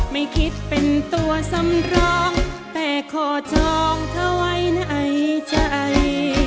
ไม่คิดเป็นตัวสำรองแต่ขอจองเธอไว้ในใจ